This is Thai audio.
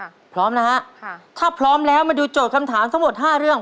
พร้อมนะฮะค่ะถ้าพร้อมแล้วมาดูโจทย์คำถามทั้งหมดห้าเรื่อง